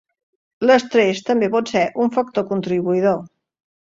L'estrès també pot ser un factor contribuïdor.